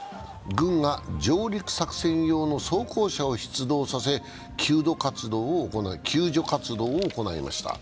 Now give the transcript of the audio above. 軍が上陸作戦用の装甲車を出動させ救助活動を行いました。